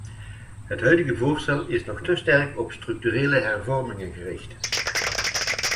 Het huidige voorstel is nog te sterk op structurele hervormingen gericht.